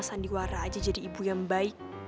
sandiwara aja jadi ibu yang baik